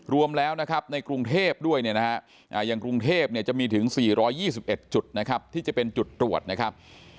รวมแล้วนะครับในกรุงเทพด้วยเนี่ยนะฮะอย่างกรุงเทพเนี่ยจะมีถึง๔๒๑จุดนะครับที่จะเป็นจุดตรวจนะครับ